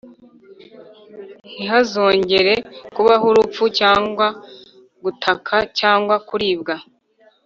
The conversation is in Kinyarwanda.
Ntihazongera kubaho urupfu cyangwa gutaka cyangwa kuribwa